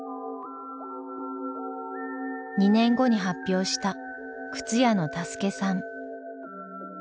２年後に発表した「靴屋のタスケさん」。